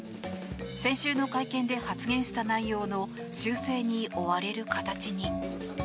先週の会見で発言した内容の修正に追われる形に。